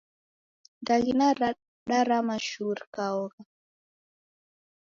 Ndaghina radarama shuu rikaonga